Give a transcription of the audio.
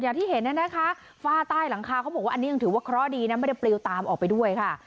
อย่างที่เห็นน่ะนะคะฝ้าใต้หลังคาเขาบอกว่าอันนี้ยังถือว่าเคราะห์ดีนะไม่ได้ปลิวตามออกไปด้วยค่ะ